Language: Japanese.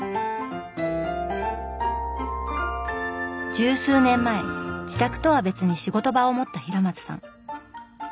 十数年前自宅とは別に仕事場を持った平松さん。